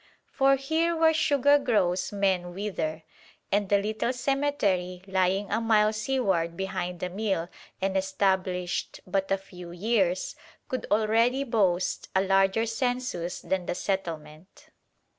For here where sugar grows men wither, and the little cemetery, lying a mile seaward behind the mill and established but a few years, could already boast a larger census than the settlement.